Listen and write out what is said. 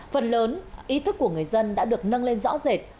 phần lớn ý thức của người dân đã được nâng lên rõ rệt